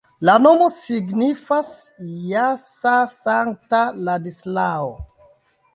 La nomo signifas jasa-sankta-Ladislao.